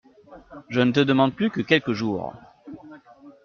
Je ne te demande plus que quelques jours.